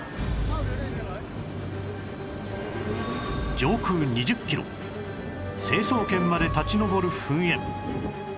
上空２０キロ成層圏まで立ち上る噴煙